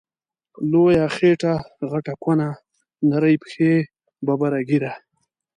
لویه خیټه غټه کونه، نرۍ پښی ببره ږیره